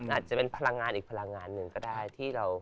อาจจะเป็นพลังงานอีกพลังงานหนึ่งก็ได้ที่เรา